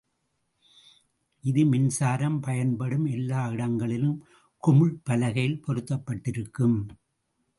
இது மின்சாரம் பயன்படும் எல்லா இடங்களிலும் குமிழ்ப் பலகையில் பொருத்தப்பட்டிருக்கும்.